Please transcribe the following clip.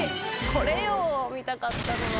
これよ見たかったのは。